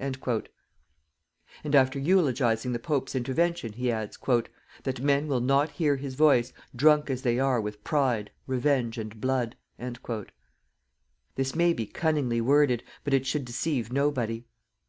_" And after eulogizing the Pope's intervention, he adds: "that men will not hear his voice, drunk as they are with pride, revenge and blood." This may be cunningly worded, but it should deceive nobody.